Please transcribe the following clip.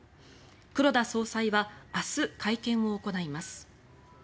黒田総裁は明日、会見を行います。